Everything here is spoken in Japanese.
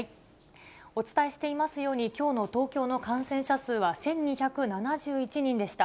お伝えしていますように、きょうの東京の感染者数は１２７１人でした。